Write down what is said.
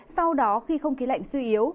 sau đó khi không khí lạnh suy yếu